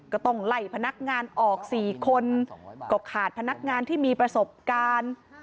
ก็ต้องไล่พนักงานออกสี่คนก็ขาดพนักงานที่มีประสบการณ์